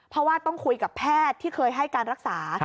เพราะว่าต้องคุยกับแพทย์ที่เคยให้การรักษา